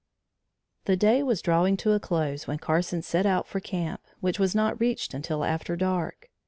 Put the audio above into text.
The day was drawing to a close when Carson set out for camp, which was not reached until after dark.